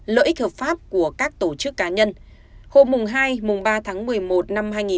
lợi ích hợp pháp của các tổ chức cá nhân